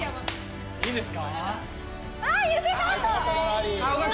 いいですか？